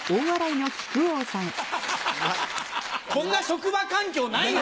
こんな職場環境ないよ